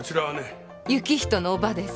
行人の叔母です。